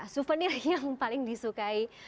suvenir yang paling disukai